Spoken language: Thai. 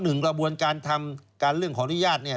กระบวนการทำการเรื่องขออนุญาตเนี่ย